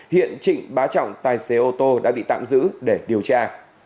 hiện trịnh bá trọng tài xế ô tô đã bị tạm giữ để điều tra